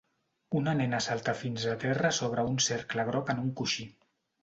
Una nena salta fins a terra sobre un cercle groc en un coixí.